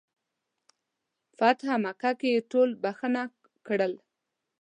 فتح مکه کې یې ټول بخښنه کړل.